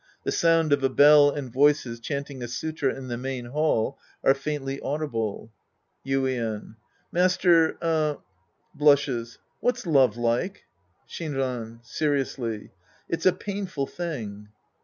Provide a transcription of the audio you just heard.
Tlie sound of a bell and voices chanting a sulfa in the main hall are faintly audible.) Yuien. Master, er — {Blushes.) What's love like ? Shim'an {seriously). It's a painful thing.